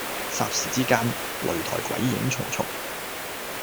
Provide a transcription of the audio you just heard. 霎時之間，擂台鬼影重重